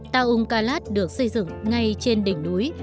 taung kalat được xây dựng ngay trên đỉnh núi